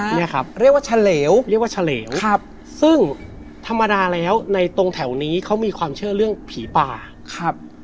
ดาวนี่นะครับเรียกว่าเฉลวซึ่งธรรมดาแล้วในตรงแถวนี้เขามีความเชื่อเรื่องผีป่า